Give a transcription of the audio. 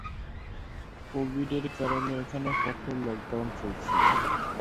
কোভিডের কারণে এখানে কঠোর লকডাউন চলছে।